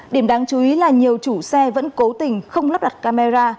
điểm đáng chú ý là nhiều chủ xe vẫn cố tình không lắp đặt camera